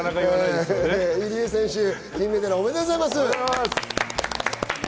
入江選手、金メダル、おめでとうございます。